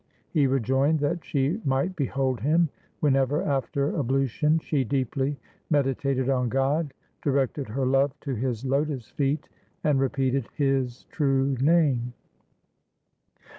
He rejoined that she might behold him whenever after ablution she deeply meditated on God, directed her love to His lotus feet, and repeated His true name.